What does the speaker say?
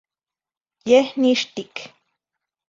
Yeh nixtic.